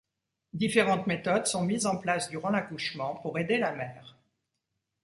Différentes méthodes sont mises en place durant l’accouchement pour aider la mère.